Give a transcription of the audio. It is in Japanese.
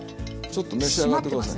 ちょっと召し上がって下さい。